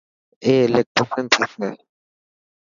اي الڪيٽريسن ٿيسي.